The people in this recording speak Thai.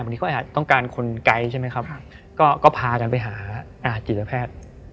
วันนี้เขาอาจต้องการคนไกลใช่ไหมครับก็พากันไปหาจิตแพทย์